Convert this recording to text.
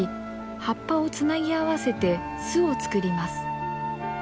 葉っぱをつなぎ合わせて巣を作ります。